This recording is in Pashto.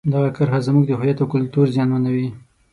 دغه کرښه زموږ د هویت او کلتور زیانمنوي.